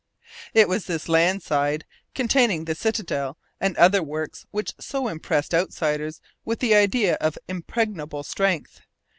It was this land side, containing the citadel and other works, which so impressed outsiders with the idea of impregnable strength.